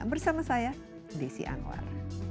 bersama saya desi anwar